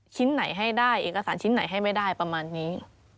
ชิ้นไหนให้ได้เอกสารชิ้นไหนให้ไม่ได้ประมาณนี้